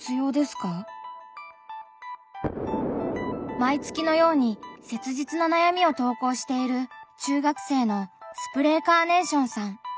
毎月のように切実な悩みを投稿している中学生のスプレーカーネーションさん。